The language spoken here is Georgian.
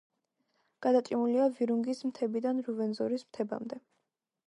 გადაჭიმულია ვირუნგის მთებიდან რუვენზორის მთებამდე.